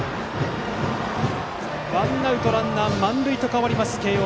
ワンアウトランナー満塁と変わります慶応。